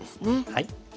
はい。